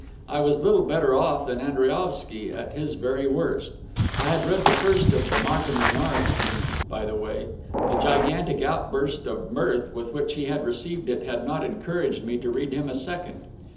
I was little better off than Andriaovsky at his very worst. I had read the first of the Martin Renards to him, by the way; the gigantic outburst of mirth with which he had received it had not encouraged me to read him a second.